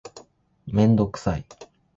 めんどくさい